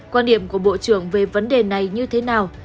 quan điểm của bộ trưởng về vấn đề này như thế nào